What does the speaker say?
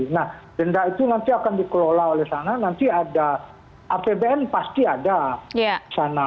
nah denda itu nanti akan dikelola oleh sana nanti ada apbn pasti ada sana